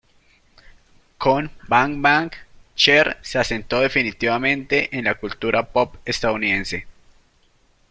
Con "Bang Bang", Cher se asentó definitivamente en la cultura pop estadounidense.